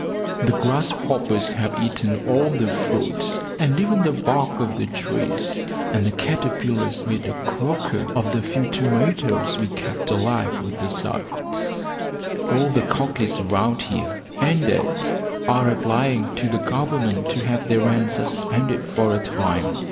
The grasshoppers have eaten all the fruit and even the bark off the trees, and the caterpillars made a croker of the few tomatoes we kept alive with the suds. All the cockeys round here and dad are applying to the Government to have their rents suspended for a time.